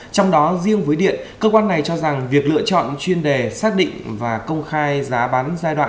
trong đó riêng với điện cơ quan này cho rằng việc lựa chọn chuyên đề xác định và công khai giá bán giai đoạn